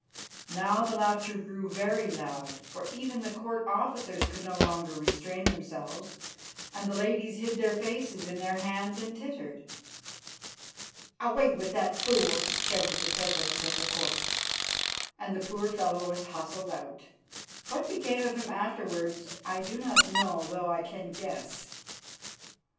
Now the laughter grew very loud, for even the Court officers could no longer restrain themselves, and the ladies hid their faces in their hands and tittered. "Away with that fool!" shouted the president of the Court, and the poor fellow was hustled out. What became of him afterwards I do not know, though I can guess.